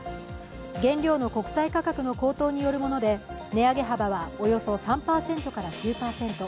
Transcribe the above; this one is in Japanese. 原料の国際価格の高騰によるもので値上げ幅はおよそ３％から９％。